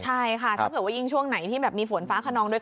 ใช่ค่ะถ้าเกิดว่ายิ่งช่วงไหนที่แบบมีฝนฟ้าขนองด้วย